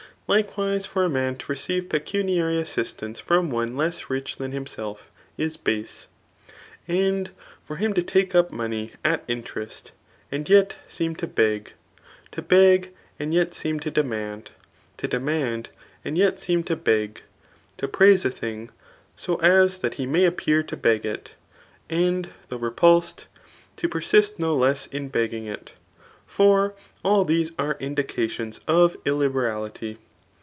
Likewise for a sian to receive pecuniary assistance from one less rich than himself, is base; and for him to take iq> money at interest^ and yet seem to beg ; to beg, amd yet seem to demand ; to demand, and yet seem to beg ; to pndse a thmg, so as that he may appear to beg it ; and though repulsed, to persist ho less in be^^ing it. For all these are indications of illiberality.